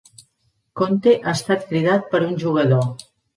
Conte ha estat cridat per un jugador.